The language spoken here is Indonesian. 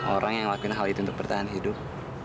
orang yang ngelakuin hal itu untuk pertahanan hidup